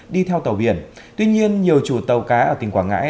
đi theo tàu biển tuy nhiên nhiều chủ tàu cá ở tỉnh quảng ngãi